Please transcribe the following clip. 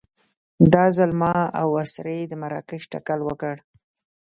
دا ځل ما او اسرې د مراکش تکل وکړ.